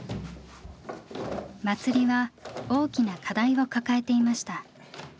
祭りは大きな課題を抱えていました。